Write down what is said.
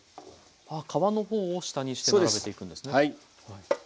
あっ皮の方を下にして並べていくんですね。